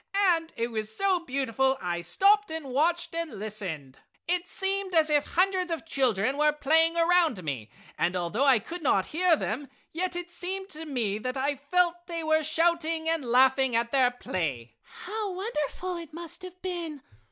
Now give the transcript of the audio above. And it was so beautiful I stopped and watched and listened. "It seemed as if hundreds of children were playing around me, and although I could not hear them yet it seemed to me that I felt they were shouting and laughing at their play!" "How wonderful it must have been!"